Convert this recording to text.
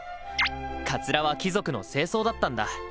かつらは貴族の正装だったんだ。